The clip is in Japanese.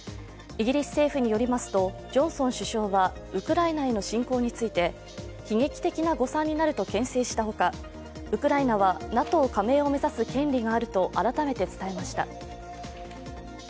イギリス政府によりますと、ジョンソン首相はウクライナへの侵攻について、悲劇的な誤算になると牽制したほかウクライナはＮＡＴＯ加盟を目指す権利があると改めて伝えました。